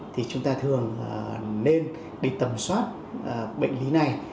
thì chúng ta thường nên đi tầm soát bệnh lý này